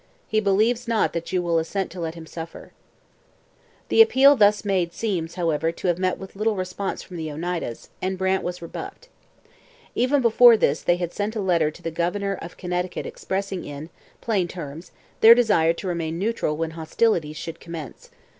He believes not that you will assent to let him suffer.' The appeal thus made seems, however, to have met with little response from the Oneidas, and Brant was rebuffed. Even before this they had sent a letter to the governor of Connecticut expressing in, plain terms their desire to remain neutral when hostilities should commence.